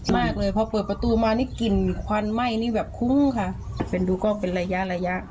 มากเลยพอเปิดประตูมานี่กลิ่นควันไหม้นี่แบบคุ้มค่ะเป็นดูกล้องเป็นระยะระยะ